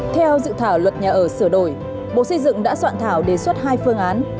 theo dự thảo luật nhà ở sửa đổi bộ xây dựng đã soạn thảo đề xuất hai phương án